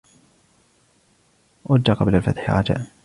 رجّ قبل الفتح رجاءً.